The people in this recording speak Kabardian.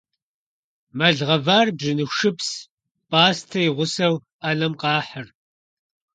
Мэл гъэвар бжьыныху шыпс, пӀастэ и гъусэу Ӏэнэм къахьыр.